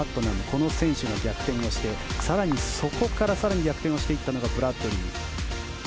この選手の逆転をして更にそこから逆転をしていったのがブラッドリー。